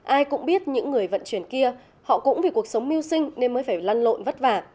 ai cũng biết những người vận chuyển kia họ cũng vì cuộc sống mưu sinh nên mới phải lăn lộn vất vả